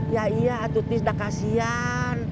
ya iya atutis dah kasihan